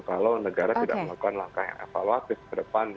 kalau negara tidak melakukan langkah yang evaluatif ke depan